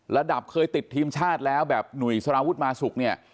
ระดับเคยติดทีมชาติแล้วแบบหนุ่ยสารวุฒิมาสุกเนี่ย